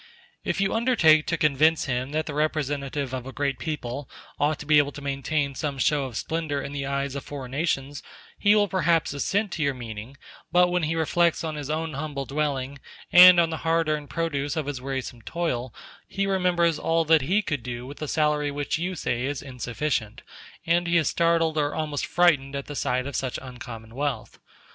*h If you undertake to convince him that the representative of a great people ought to be able to maintain some show of splendor in the eyes of foreign nations, he will perhaps assent to your meaning; but when he reflects on his own humble dwelling, and on the hard earned produce of his wearisome toil, he remembers all that he could do with a salary which you say is insufficient, and he is startled or almost frightened at the sight of such uncommon wealth.